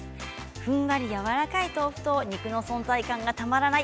ふんわりやわらかい豆腐と肉の存在感がたまらない